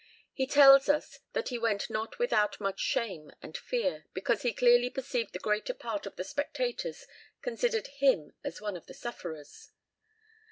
He tells us that he went not without much shame and fear, because he clearly perceived the greater part of the spectators considered him as one of the sufferers.